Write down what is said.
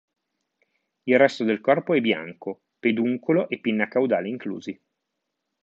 Il resto del corpo è bianco, peduncolo e pinna caudale inclusi.